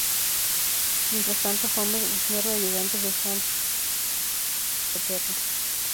Mientras tanto, Homer ignora al Ayudante de Santa cuando Flanders consigue un nuevo perro.